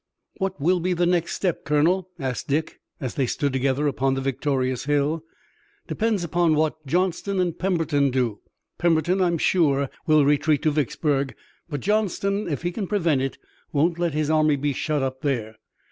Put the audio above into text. "What will be the next step, Colonel?" asked Dick, as they stood together upon the victorious hill. "Depends upon what Johnston and Pemberton do. Pemberton, I'm sure, will retreat to Vicksburg, but Johnston, if he can prevent it, won't let his army be shut up there.